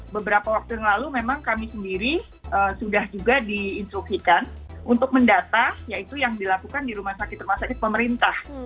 beberapa waktu yang lalu memang kami sendiri sudah juga diinstruksikan untuk mendata yaitu yang dilakukan di rumah sakit rumah sakit pemerintah